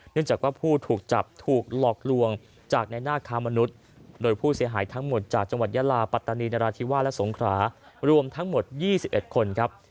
จากว่าผู้ถูกจับถูกหลอกลวงจากในหน้าค้ามนุษย์โดยผู้เสียหายทั้งหมดจากจังหวัดยาลาปัตตานีนราธิวาสและสงขรารวมทั้งหมด๒๑คนครับ